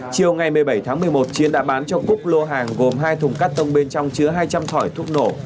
chiều ngày một mươi bảy tháng một mươi một chiến đã bán cho cúc lô hàng gồm hai thùng cắt tông bên trong chứa hai trăm linh thỏi thuốc nổ